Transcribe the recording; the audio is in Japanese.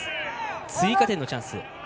追加点のチャンス